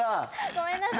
ごめんなさい。